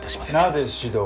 なぜ指導を？